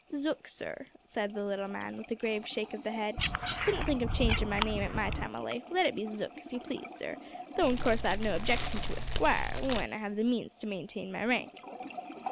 "Zook, sir," said the little man, with a grave shake of the head; "couldn't think of changin' my name at my time of life; let it be Zook, if you please, sir, though in course I've no objection to esquire, w'en I 'ave the means to maintain my rank."